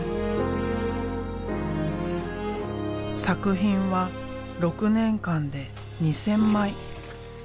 作品は６年間で２，０００枚。